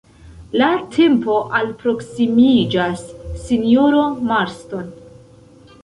La tempo alproksimiĝas, sinjoro Marston.